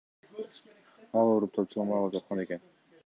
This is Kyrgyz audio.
Ал ооруп, тамчылатма алып жаткан экен.